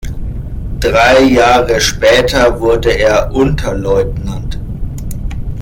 Drei Jahre später wurde er Unterleutnant.